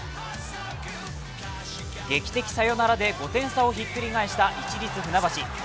劇的サヨナラで５点差をひっくり返した市立船橋。